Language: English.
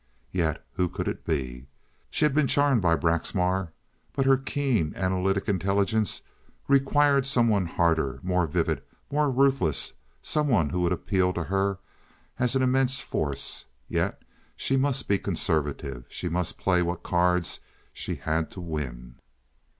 Yet who could it be? She had been charmed by Braxmar, but her keen, analytic intelligence required some one harder, more vivid, more ruthless, some one who would appeal to her as an immense force. Yet she must be conservative, she must play what cards she had to win.